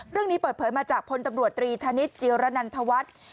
เรื่องนี้เปิดเผยมาจากพลตำรวจตรีธนิษฐ์เจียรนันทวัฒน์